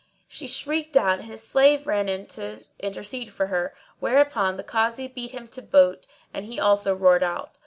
She shrieked out and his slave ran in to intercede for her, whereupon the Kazi beat him to boot, and he also roared out.